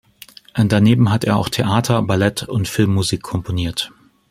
Daneben hat er auch Theater-, Ballett- und Filmmusik komponiert.